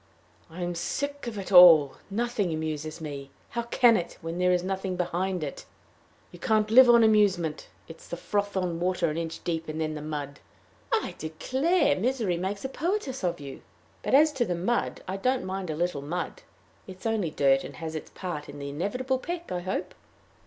"I am sick of it all. Nothing amuses me. How can it, when there is nothing behind it? You can't live on amusement. It is the froth on water an inch deep, and then the mud!" "I declare, misery makes a poetess of you! But as to the mud, I don't mind a little mud. It is only dirt, and has its part in the inevitable peck, I hope."